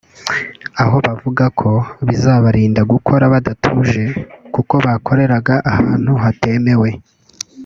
aho bavuga ko bizabarinda gukora badatuje kuko bakoreraga ahantu hatemewe